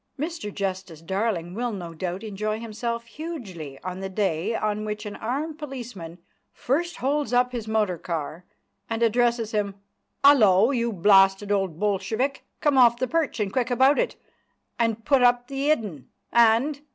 Mr Justice Darling will, no doubt, enjoy himself hugely on the day on which an armed policeman first holds up his motor car, and addresses him: "'Ullo, you blasted old Bolshevik, come off the perch, and quick about it, and put up the 'Idden 'And!"